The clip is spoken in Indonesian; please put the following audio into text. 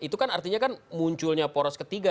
itu kan artinya kan munculnya poros ketiga